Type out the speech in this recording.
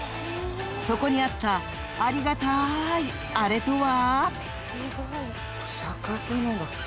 ［そこにあったありがたいあれとは］